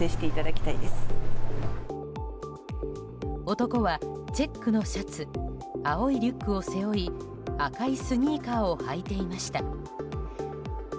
男は、チェックのシャツ青いリュックを背負い赤いスニーカーを履いていました。